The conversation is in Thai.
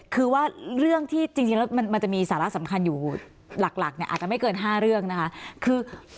คือว่าเรื่องที่จริงแล้วมันจะมีสาระสำคัญอยู่หลักเนี่ยอาจจะไม่เกิน๕เรื่องนะคะ